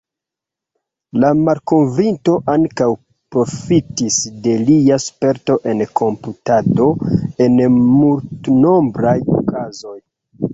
La malkovrinto ankaŭ profitis de lia sperto en komputado en multnombraj okazoj.